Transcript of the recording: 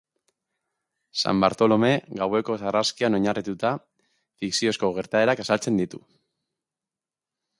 San Bartolome gaueko sarraskian oinarrituta, fikziozko gertaerak azaltzen ditu.